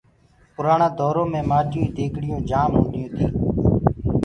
پُرآڻآ دورو مي مآٽيو ڪي ديگڙيونٚ جآم هونديونٚ تي۔